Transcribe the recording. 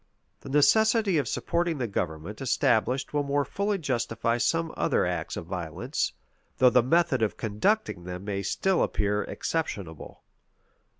The necessity of supporting the government established will more fully justify some other acts of violence, though the method of conducting them may still appear exceptionable.